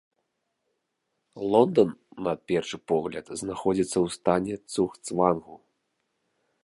Лондан, на першы погляд, знаходзіцца ў стане цугцвангу.